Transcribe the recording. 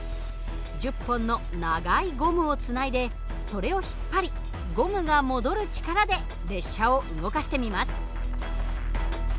１０本の長いゴムをつないでそれを引っ張りゴムが戻る力で列車を動かしてみます。